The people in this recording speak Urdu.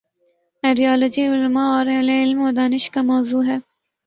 آئیڈیالوجی، علما اور اہل علم و دانش کا موضوع ہے۔